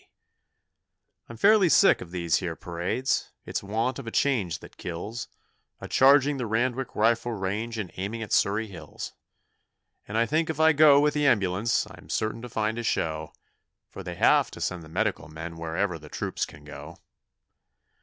C. 'I'm fairly sick of these here parades, it's want of a change that kills A charging the Randwick Rifle Range and aiming at Surry Hills. And I think if I go with the ambulance I'm certain to find a show, For they have to send the Medical men wherever the troops can go.